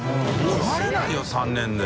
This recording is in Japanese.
壊れないよ３年で。